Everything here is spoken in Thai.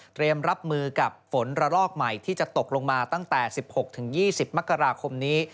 รับมือกับฝนระลอกใหม่ที่จะตกลงมาตั้งแต่๑๖๒๐มกราคมนี้